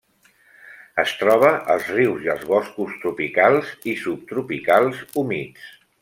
Es troba als rius i als boscos tropicals i subtropicals humits.